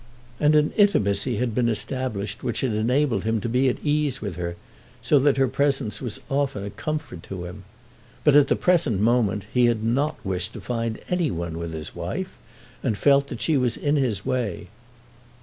And an intimacy had been established which had enabled him to be at ease with her, so that her presence was often a comfort to him. But at the present moment he had not wished to find any one with his wife, and felt that she was in his way.